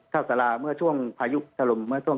ก็มีอยู่บางจุดนะครับอย่างเช่นที่